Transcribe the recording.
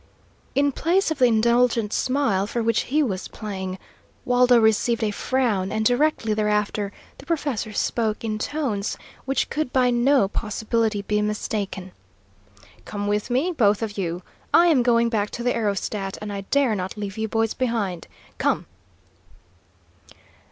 In place of the indulgent smile for which he was playing, Waldo received a frown, and directly thereafter the professor spoke in tones which could by no possibility be mistaken. "Come with me, both of you. I am going back to the aerostat, and I dare not leave you boys behind. Come!"